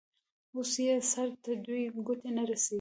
اوس يې سر ته دوې گوتي نه رسېږي.